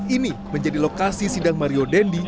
ini menjadi lokasi sidang mario dendi